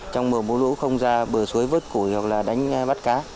trong mùa mưa lũ không ra bờ suối vớt củi hoặc là đánh bắt cá